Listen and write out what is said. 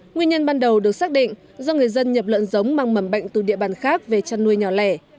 nguyên nhân ban đầu được xác định do người dân nhập lợn giống mang mầm bệnh từ địa bàn khác về chăn nuôi nhỏ lẻ